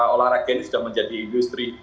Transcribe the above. olahraga ini sudah menjadi industri